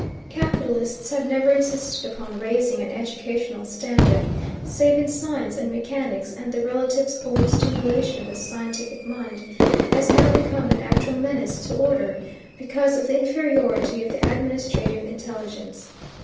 Capitalists have never insisted upon raising an educational standard save in science and mechanics, and the relative overstimulation of the scientific mind has now become an actual menace to order because of the inferiority of the administrative intelligence.